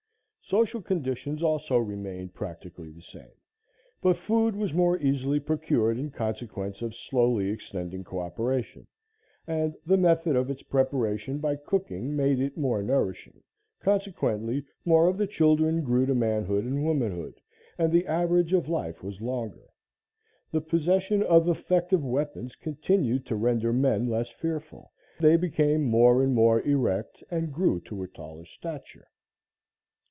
Social conditions also remained practically the same, but food was more easily procured in consequence of slowly extending coöperation, and the method of its preparation by cooking made it more nourishing, consequently more of the children grew to manhood and womanhood, and the average of life was longer. The possession of effective weapons continued to render men less fearful, they became more and more erect and grew to a taller stature.